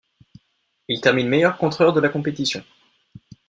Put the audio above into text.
Il termine meilleur contreur de la compétition.